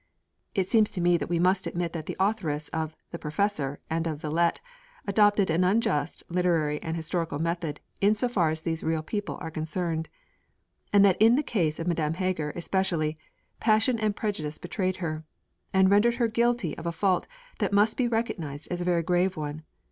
It seems to me that we must admit that the authoress of the Professor and of Villette adopted an unjust literary and historical method in so far as these real people are concerned: and that in the case of Madame Heger especially, passion and prejudice betrayed her: and rendered her guilty of a fault that must be recognised as a very grave one.